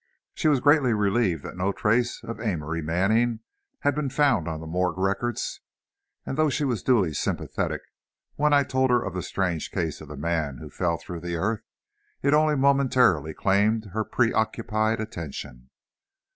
She was greatly relieved that no trace of Amory Manning had been found on the morgue records and though she was duly sympathetic when I told her of the strange case of the man who fell through the earth, it only momentarily claimed her preoccupied attention.